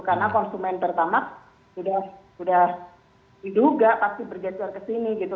karena konsumen pertamax sudah diduga pasti bergeser ke sini gitu